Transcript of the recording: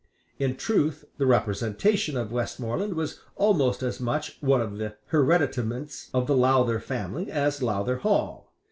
In truth the representation of Westmoreland was almost as much one of the hereditaments of the Lowther family as Lowther Hall.